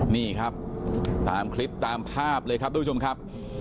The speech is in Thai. นี่ครับตามคลิปตามภาพเลยครับทุกผู้ชมครับ